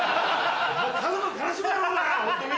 家族悲しむだろうがホントに！